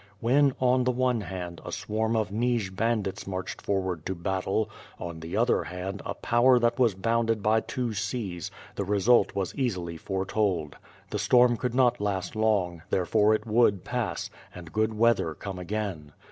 When, on the one hand, a swarm of Nij bandits marched forward to battle, on the other hand, a power that was bounded by two seas, the result was easily foretold. The storm could not last long, therefore it would pass — ^aud good weather come again.